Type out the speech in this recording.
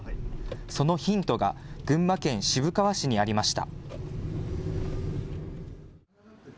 そのヒントが群馬県渋川市にありました。